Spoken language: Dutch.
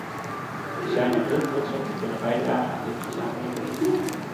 We zijn er heel trots op te kunnen bijdragen aan dit gezamenlijke doel.